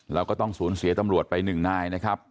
แล้วก็ต้องสูญเสียตำรวจไปหนึ่งนายนะครับ